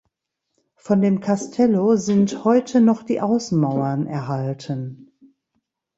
Von dem Castelo sind heute noch die Außenmauern erhalten.